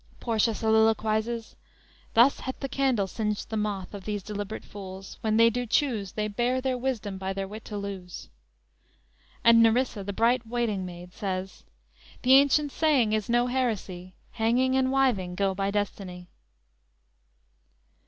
"_ Portia soliloquizes: _"Thus hath the candle singed the moth Of these deliberate fools, when they do choose, They bare their wisdom by their wit to lose."_ And Nerissa, the bright waiting maid, says: _"The ancient saying is no heresy; Hanging and wiving go by destiny!"